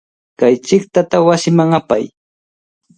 Kay chiqtata wasiman apay.